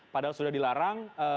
padahal sudah dilarang